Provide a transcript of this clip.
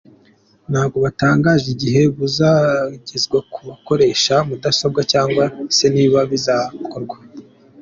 Ntabwo batangaje igihe buzagezwa ku bakoresha mudasobwa cyangwa se niba bizakorwa.